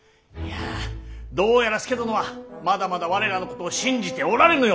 いやどうやら佐殿はまだまだ我らのことを信じておられぬようだ。